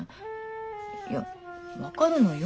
いや分かるのよ